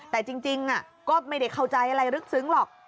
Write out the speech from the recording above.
แต่จริงก็ไม่ได้เข้าใจอะไรลึกซึ้งหรอก